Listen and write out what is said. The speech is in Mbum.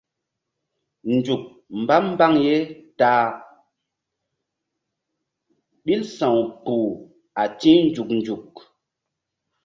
Nzuk mba mbaŋ ye ta a ɓil sa̧w kpuh a ti̧h nzuk nzuk.